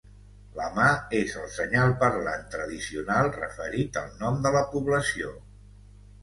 La mà és el senyal parlant tradicional referit al nom de la població.